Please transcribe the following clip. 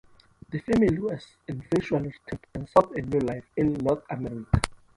The family was eventually reunited and sought a new life in North America.